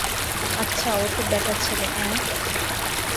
আচ্ছা, ও তো ব্যাটাছেলে, অ্যাঁ?